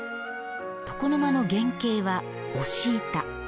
床の間の原型は押板。